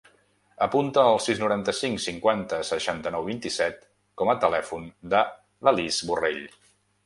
Apunta el sis, noranta-cinc, cinquanta, seixanta-nou, vint-i-set com a telèfon de l'Alice Borrell.